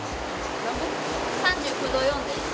３９度４分です。